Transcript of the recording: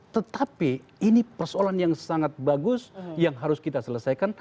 tetapi ini persoalan yang sangat bagus yang harus kita selesaikan